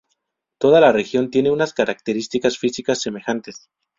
Toda la región tiene unas características físicas semejantes.